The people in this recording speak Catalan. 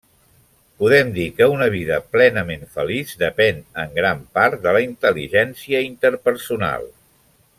Podem dir que una vida plenament feliç depèn en gran part de la intel·ligència interpersonal.